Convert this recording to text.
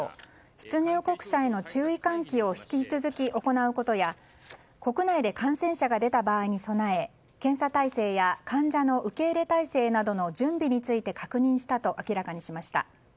出入国者への注意喚起を引き続き行うことや国内で感染者が出た場合に備え検査体制や患者の受け入れ態勢などへの準備などを確認したと明らかにしました。